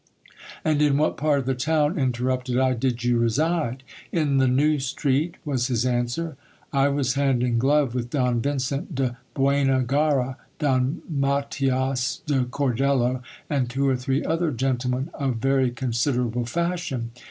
And in what part of the town, interrupted I, did you reside ? In the New Street, was his answer. I was hand in glove with Don Vincent de Buena Garra, Don Matthias de Cordello, and two or three Other gentlemen of very considerable fashion.